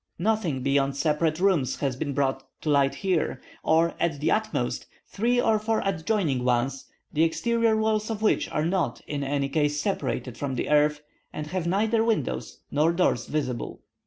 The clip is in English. Nothing beyond separate rooms has been brought to light here, or at the utmost, three or four adjoining ones, the exterior walls of which are not, in any case, separated from the earth, and have neither windows nor doors visible.